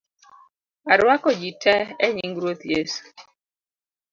Arwako ji tee enying Ruoth Yesu